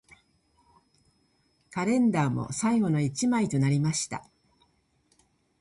カレンダーも最後の一枚となりました